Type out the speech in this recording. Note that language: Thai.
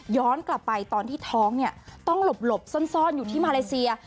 กลับไปตอนที่ท้องเนี่ยต้องหลบซ่อนอยู่ที่มาเลเซีย